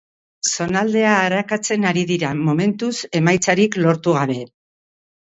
Zonaldea arakatzen ari dira, momentuz, emaitzarik lortu gabe.